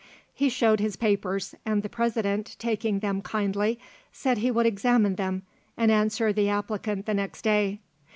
He showed his papers, and the President, taking them kindly, said he would examine them, and answer the applicant the next day.